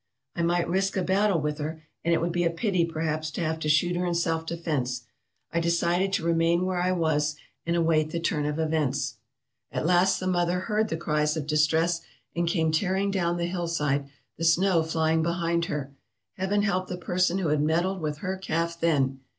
I might risk a battle with her, and it would be a pity perhaps to have to shoot her in self defence. I decided to re main where I was, and await the turn of events. "At last the mother heard the cries of distress, and came tearing down the hillside, the snow flying behind her. Heaven help the person who had meddled with her calf then!